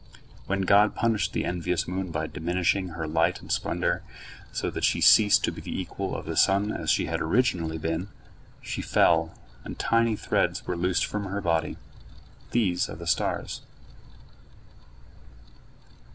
When God punished the envious moon by diminishing her light and splendor, so that she ceased to be the equal of the sun as she had been originally, she fell, and tiny threads were loosed from her body. These are the stars.